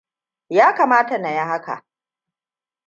Ya kamata na yi haka.